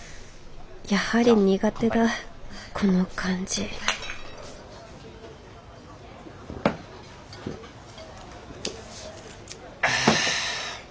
やはり苦手だこの感じあ。